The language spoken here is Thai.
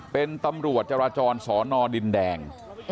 เป็นตำรวจจราจรสอนอดินแดง